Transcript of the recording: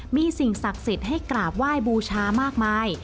มีสิ่งศักดิ์สิทธิ์ให้กราบไหว้บูชามากมาย